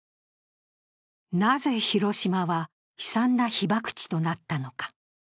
なぜ、広島は悲惨な被爆地となったのか。